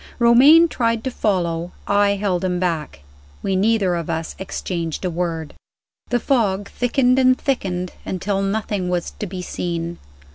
Romayne tried to follow; I held him back we neither of us exchanged a word. The fog thickened and thickened, until nothing was to be seen.